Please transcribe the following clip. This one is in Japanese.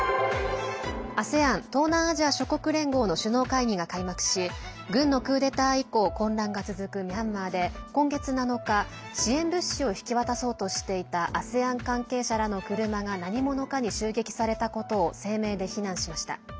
ＡＳＥＡＮ＝東南アジア諸国連合の首脳会議が開幕し軍のクーデター以降混乱が続くミャンマーで今月７日、支援物資を引き渡そうとしていたＡＳＥＡＮ関係者らの車が何者かに襲撃されたことを声明で非難しました。